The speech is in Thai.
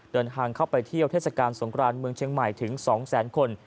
เดินทางเข้าไปเที่ยวเทศกาลสงครานเมืองเชียงใหม่ถึง๒แสนคน